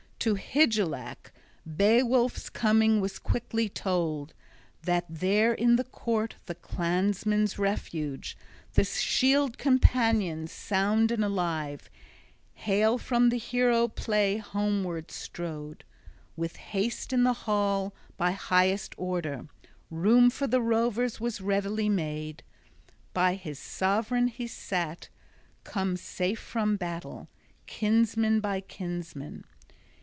To Hygelac Beowulf's coming was quickly told, that there in the court the clansmen's refuge, the shield companion sound and alive, hale from the hero play homeward strode. With haste in the hall, by highest order, room for the rovers was readily made. By his sovran he sat, come safe from battle, kinsman by kinsman.